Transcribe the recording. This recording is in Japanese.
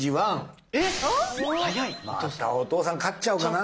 またお父さん勝っちゃおうかな。